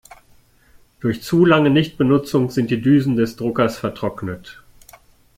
Durch zu lange Nichtbenutzung sind die Düsen des Druckers vertrocknet.